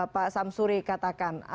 pak samsuri katakan